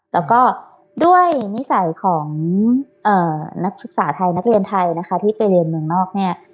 แล้วก็ด้วยนิสัยของนักศึกษาไทยนักเรียนไทยนะคะที่ไปเรียนเมืองนอกเนี่ย